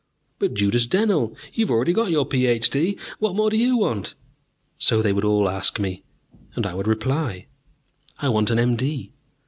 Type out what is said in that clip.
"But Judas, Dennell, you've already got your Ph.D! What more do you want?" So they would all ask me. And I would reply; "I want an M.D.